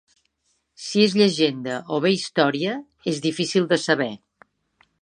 Si és llegenda o bé història, és difícil de saber.